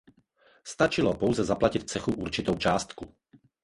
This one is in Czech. Stačilo pouze zaplatit cechu určitou částku.